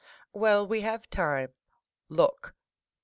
"Well, we have time; look."